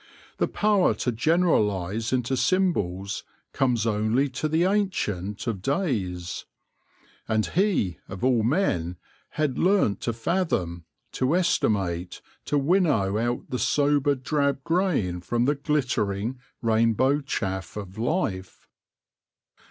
The power to generalise into symbols comes only to the ancient of days ; and he of all men had learnt to fathom, to estimate, to winnow out the sober drab grain from the glittering, rainbow chaff of life.